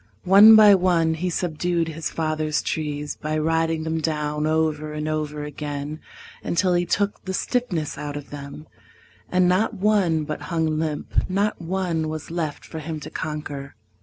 One by one he subdued his father's trees By riding them down over and over again Until he took the stiffness out of them, And not one but hung limp, not one was left For him to conquer.